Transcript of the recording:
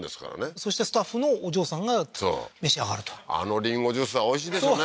そしてスタッフのお嬢さんが召し上がるとあのりんごジュースはおいしいでしょうね